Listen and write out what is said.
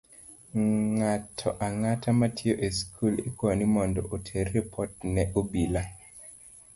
Ng'ato ang'ata matiyo e skul ikwayo ni mondo oter ripot ne obila